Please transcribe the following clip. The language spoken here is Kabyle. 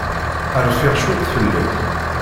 Rfiɣ cwiṭ fell-ak.